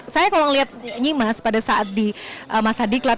saya kalau lihat nyimas pada saat di mas hadi club